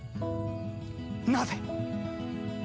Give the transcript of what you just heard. なぜ！